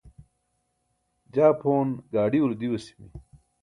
jaa phon gaaḍiulo diwasimi